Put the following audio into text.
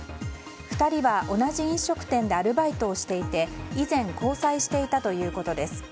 ２人は同じ飲食店でアルバイトをしていて以前交際していたということです。